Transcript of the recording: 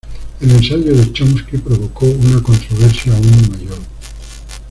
El ensayo de Chomsky provocó una controversia aún mayor.